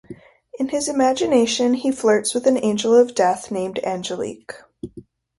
In his imagination, he flirts with an angel of death named Angelique.